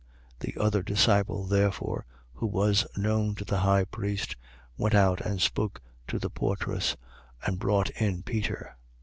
The other disciple therefore, who was known to the high priest, went out and spoke to the portress and brought in Peter.